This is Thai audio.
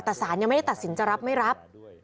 แต่สารยังไม่ได้ตัดสินจะรับไม่รับ